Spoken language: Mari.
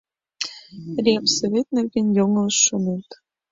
— Ревсовет нерген йоҥылыш шонет...